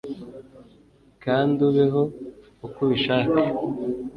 kandi ubeho uko ubishaka